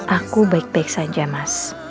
aku baik baik saja mas